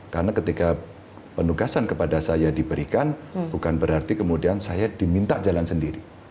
karena ketika penugasan kepada saya diberikan bukan berarti kemudian saya diminta jalan sendiri